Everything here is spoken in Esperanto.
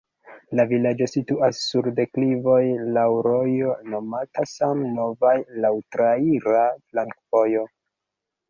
La vilaĝo situas sur deklivoj, laŭ rojo nomata same Novaj, laŭ traira flankovojo.